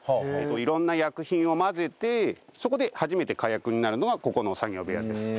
色んな薬品を混ぜてそこで初めて火薬になるのがここの作業部屋です。